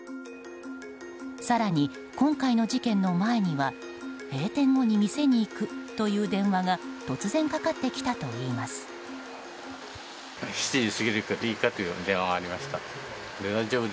更に今回の事件の前には閉店後に店に行くという電話が突然かかってきたといいます。